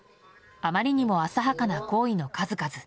あまりにも浅はかな行為の数々。